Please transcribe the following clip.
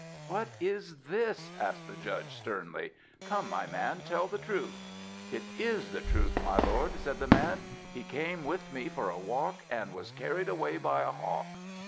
"What is this?" asked the judge sternly. "Come, my man, tell the truth." "It is the truth, my lord," said the man; "he came with me for a walk, and was carried away by a hawk."